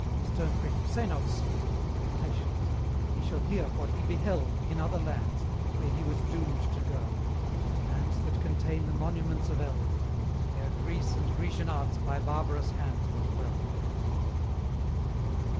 Stern critic, say not so: Patience! and ye shall hear what he beheld In other lands, where he was doomed to go: Lands that contain the monuments of eld, Ere Greece and Grecian arts by barbarous hands were quelled.